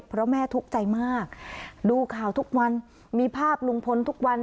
เพราะแม่ทุกข์ใจมากดูข่าวทุกวันมีภาพลุงพลทุกวัน